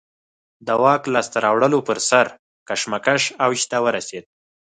د واک لاسته راوړلو پر سر کشمکش اوج ته ورسېد